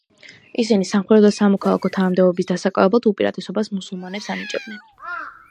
ისინი სამხედრო და სამოქალაქო თანამდებობის დასაკავებლად უპირატესობას მუსულმანებს ანიჭებდნენ.